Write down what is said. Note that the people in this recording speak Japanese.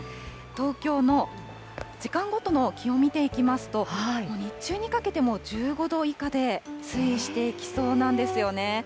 東京の時間ごとの気温見ていきますと、もう日中にかけても１５度以下で推移していきそうなんですよね。